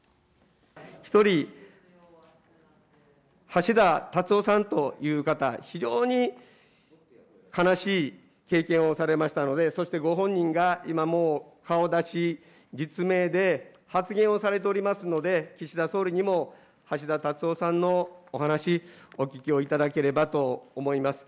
一人、橋田達夫さんという方、非常に悲しい経験をされましたので、そしてご本人が今も顔出し、実名で発言をされておりますので、岸田総理にも橋田達夫さんのお話お聞きをいただければと思います。